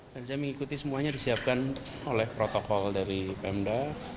saya mengikuti semuanya disiapkan oleh protokol dari pemda